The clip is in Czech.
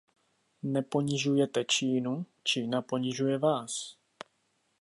Neponižujete Čínu, Čína ponižuje vás.